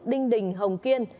đinh đình hồng kiên